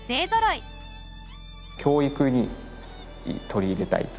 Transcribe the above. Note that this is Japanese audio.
教育に取り入れたいというか。